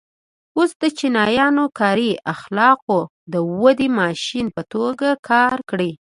اوس د چینایانو کاري اخلاقو د ودې ماشین په توګه کار کړی.